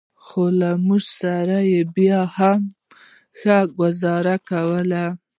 خو له موږ سره بیا هم ښه ګوزاره کوي.